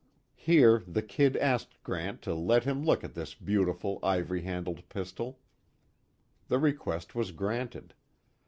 Here the "Kid" asked Grant to let him look at this beautiful, ivory handled pistol. The request was granted.